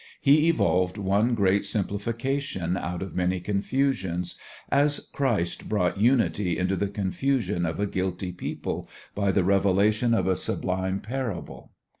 He evolved one great simplification out of many confusions as Christ brought unity into the confusion of a guilty people by the revelation of a sublime parable.